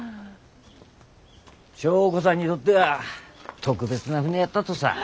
祥子さんにとっては特別な船やったとさ。